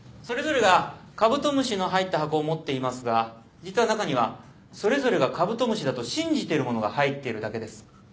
それぞれがカブトムシの入った箱を持っていますが実は中にはそれぞれがカブトムシだと信じてるものが入っているだけです。